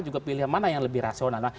juga pilihan mana yang lebih rasional